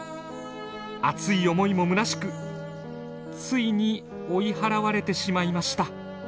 熱い思いもむなしくついに追い払われてしまいました。